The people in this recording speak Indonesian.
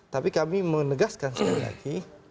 tapi kami menegaskan sekali lagi